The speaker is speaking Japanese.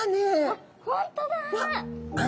あっ本当だ！